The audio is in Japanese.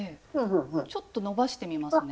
ちょっと伸ばしてみますね。